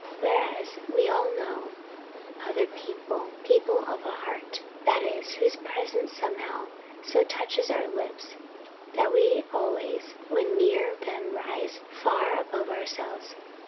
Whereas, we all know other people, people of a heart, that is, whose presence somehow so touches our lips that we always when near them rise far above ourselves.